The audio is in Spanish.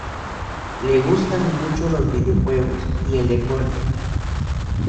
Le gustan mucho los videojuegos y el deporte.